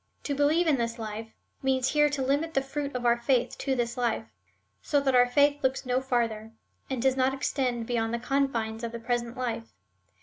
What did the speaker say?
To believe in this life means here to limit the fruit of our faith to this life, so that our faith looks no farther, and does not extend beyond the confines of the present life.